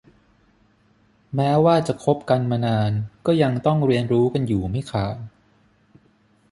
แม้ว่าจะคบกันมานานก็ยังต้องเรียนรู้กันอยู่ไม่ขาด